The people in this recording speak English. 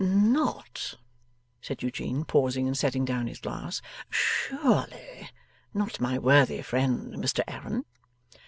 'Not,' said Eugene, pausing in setting down his glass, 'surely not my worthy friend Mr Aaron?